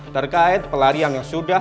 terkait pelarian yang sudah